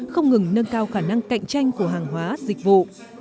không ngừng nâng cao khả năng cạnh tranh của hàng hóa dịch vụ